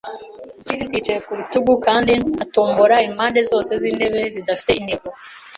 Flint yicaye ku rutugu kandi atombora impande zose z'intebe zidafite intego.